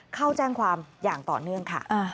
เข้าแจ้งความอย่างต่อเนื่องค่ะ